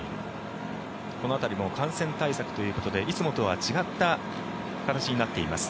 この辺りも感染対策ということでいつもとは違った形になっています。